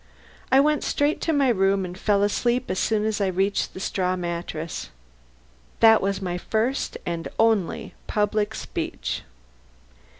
I went straight to my room and fell asleep as soon as I reached the straw mattress. That was my first and only public speech.